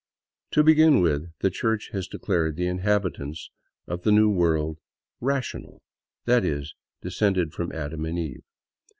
To begin with, the Church has declared the inhabitants of the New World " rational," that is, descended from Adam and Eve.